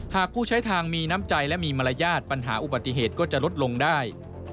ผู้ใช้ทางมีน้ำใจและมีมารยาทปัญหาอุบัติเหตุก็จะลดลงได้